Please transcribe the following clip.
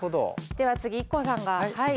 では次ＩＫＫＯさんがはい。